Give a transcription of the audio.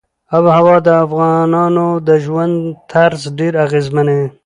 آب وهوا د افغانانو د ژوند طرز ډېر اغېزمنوي.